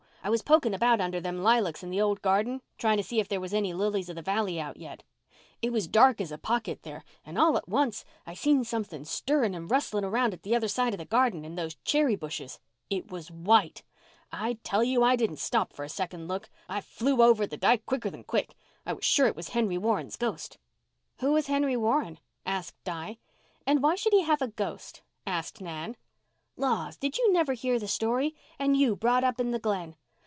I was poking about under them lilacs in the old garden, trying to see if there was any lilies of the valley out yet. It was dark as a pocket there—and all at once I seen something stirring and rustling round at the other side of the garden, in those cherry bushes. It was white. I tell you I didn't stop for a second look. I flew over the dyke quicker than quick. I was sure it was Henry Warren's ghost." "Who was Henry Warren?" asked Di. "And why should he have a ghost?" asked Nan. "Laws, did you never hear the story? And you brought up in the Glen.